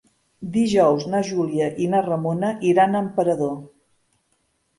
Dijous na Júlia i na Ramona iran a Emperador.